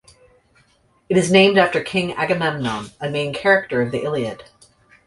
It is named after King Agamemnon, a main character of the Iliad.